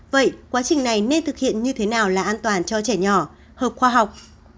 vậy quá trình này nên thực hiện như thế nào là an toàn cho trẻ nhỏ hợp khoa học